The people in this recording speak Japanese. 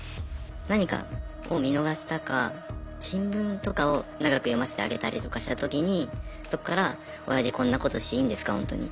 何かを見逃したか新聞とかを長く読ませてあげたりとかしたときにそっからオヤジこんなことしていいんですかほんとに。